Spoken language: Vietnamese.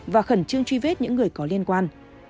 và khẩn trương truy vết những người có liên quan